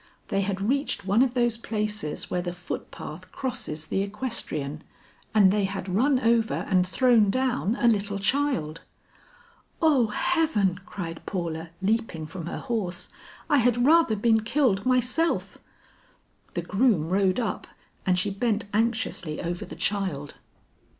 They had reached one of those places where the foot path crosses the equestrian and they had run over and thrown down a little child. "O heaven!" cried Paula leaping from her horse, "I had rather been killed myself." The groom rode up and she bent anxiously over the child.